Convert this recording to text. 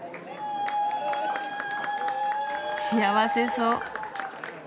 幸せそう。